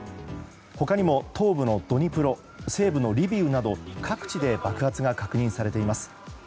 他にも東部のドニプロ西部のリビウなど各地で爆発が確認されています。